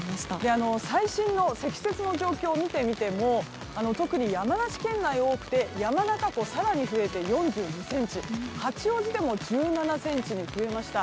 最新の積雪の状況を見てみても特に山梨県内が多くて山中湖、更に増えて４２ｃｍ八王子でも１７ｃｍに増えました。